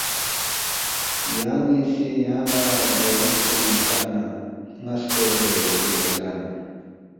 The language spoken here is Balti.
یانی سی یانگ لا ڑگیالونگ پینگنو ہلتانا، ناسکور ہے یاری اَزانہ